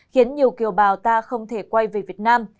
khiến nhiều kiều bào ta không thể quay về việt nam